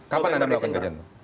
kapan anda melakukan kajian itu